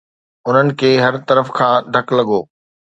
انهن کي هر طرف کان ڌڪ لڳو.